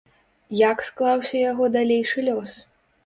Як склаўся яго далейшы лёс?